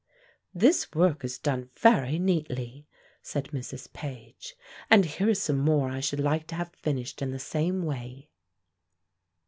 "This work is done very neatly," said Mrs. Page, "and here is some more I should like to have finished in the same way."